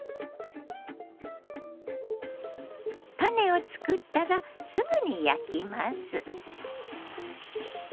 タネを作ったらすぐに焼きます。